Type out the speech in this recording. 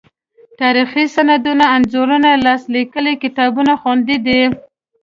تاریخي سندونه، انځوریز لاس لیکلي کتابونه خوندي دي.